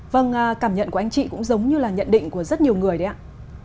vâng cảm nhận của anh chị cũng giống như là nhận định của rất nhiều người đấy ạ